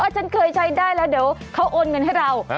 ฉันเคยใช้ได้แล้วเดี๋ยวเขาโอนเงินให้เรา